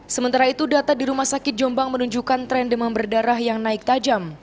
sementara itu data di rumah sakit jombang menunjukkan tren demam berdarah yang naik tajam